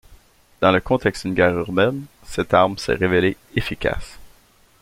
Dans le contexte d'une guerre urbaine, cette arme s'est révélée efficace.